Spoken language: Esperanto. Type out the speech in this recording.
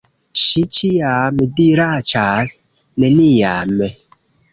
Ŝi ĉiam diraĉas, "Neniam!"